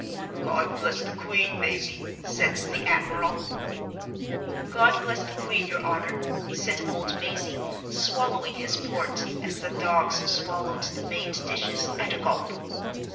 "God bless the Queen, Mazey," said the admiral. "God bless the Queen, your honor," said old Mazey, swallowing his port, as the dogs swallowed the made dishes, at a gulp.